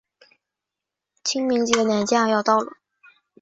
清明节连假要到了